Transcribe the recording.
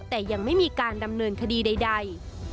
แต่ยังไม่มีการดำเนินคดีใด